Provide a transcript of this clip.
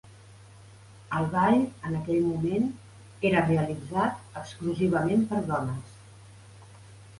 El ball, en aquell moment, era realitzat exclusivament per dones.